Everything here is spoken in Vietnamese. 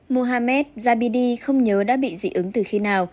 muhammad jabidi không nhớ đã bị dị ứng từ khi nào